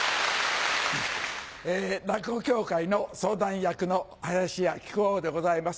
落語協会の相談役の林家木久扇でございます。